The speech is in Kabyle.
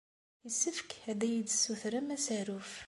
Yessefk ad iyi-d-tessutrem asaruf.